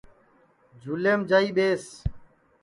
جھُولیم جائی ٻیس